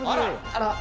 あら！